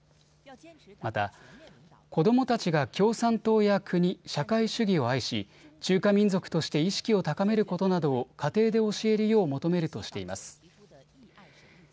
また子どもたちが共産党や国社会主義を愛し中華民族として意識を高めることなどを家庭で教えるよう求めるとしています。